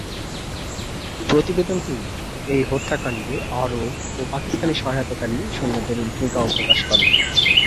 প্রতিবেদনটি এই হত্যাকাণ্ডে আরব ও পাকিস্তানি সহায়তাকারী সৈন্যদের ভূমিকাও প্রকাশ করে।